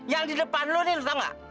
yang di depan lu nih lu tau gak